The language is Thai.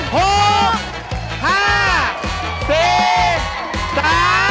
หมดเวลา